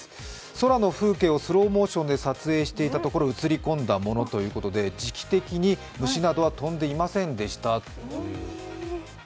空の風景をスローモーションで撮影していたところ映り込んだものということで時期的に虫などは飛んでいませんでしたということです。